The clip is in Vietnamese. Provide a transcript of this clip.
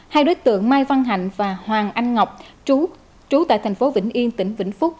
hai đối tượng mai văn hạnh và hoàng anh ngọc trú trú tại thành phố vĩnh yên tỉnh vĩnh phúc